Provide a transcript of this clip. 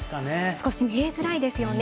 少し見えづらいですよね。